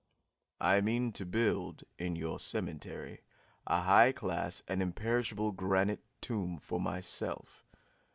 I mean to build, in your cemetery, a high class and imperishable granite tomb for myself.